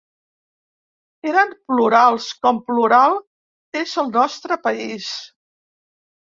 Érem plurals com plural és el nostre país.